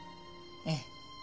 ええ。